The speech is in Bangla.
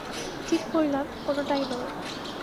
ঠিক করলাম, কোনটাই নয়।